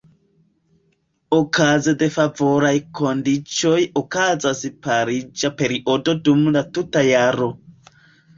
Okaze de favoraj kondiĉoj okazas pariĝa periodo dum la tuta jaro.